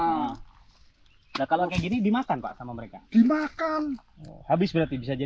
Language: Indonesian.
habis habis tidak nyampe tiga hari dua hari kalau datang seberapa itu kehabis karena paking banyaknya